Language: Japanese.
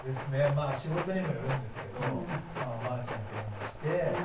まあ仕事にもよるんですけどおばあちゃんに電話して。